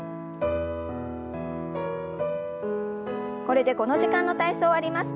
これでこの時間の体操終わります。